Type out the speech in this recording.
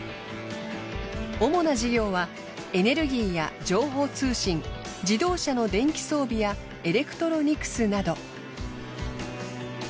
主な事業はエネルギーや情報通信自動車の電気装備やエレクトロニクスなど。